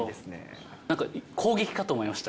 なんか攻撃かと思いました。